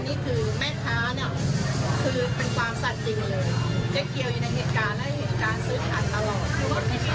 นี่คือความคุณคุณวิชาเอามาสาบานด้วยอ่ะครับ